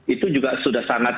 itu juga sudah sangat